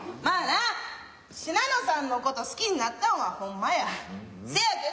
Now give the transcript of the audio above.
まあな信濃さんのこと好きになったんはほんまや。